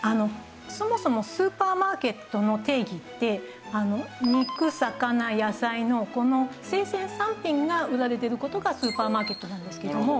そもそもスーパーマーケットの定義って肉魚野菜のこの生鮮三品が売られてる事がスーパーマーケットなんですけども。